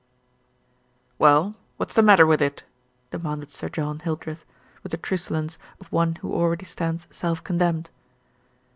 "Well, what's the matter with it?" demanded Sir John Hildreth, with the truculence of one who already stands self condemned.